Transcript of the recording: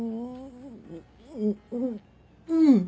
うん！